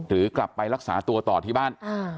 หรือกลับไปรักษาตัวต่อที่บ้าน